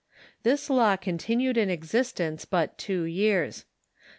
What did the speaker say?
This law continued in existence but two years.